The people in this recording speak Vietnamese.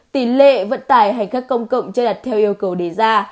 tỷ lệ vận tải hành khắc công cộng chưa đặt theo yêu cầu đề ra